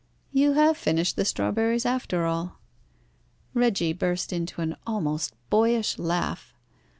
"You have finished the strawberries after all." Reggie burst into an almost boyish laugh.